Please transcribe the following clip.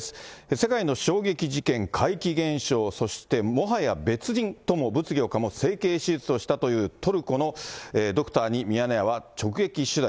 世界の衝撃事件、怪奇現象、そしてもはや別人とも物議を醸す整形手術をしたというトルコのドクターに、ミヤネ屋は直撃取材。